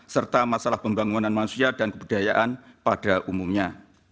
serta masalah pembangunan manusia dan kebudayaan pada umumnya